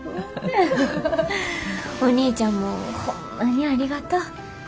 お兄ちゃんもホンマにありがとう。